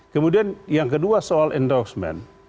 kemudian yang kedua soal endorsement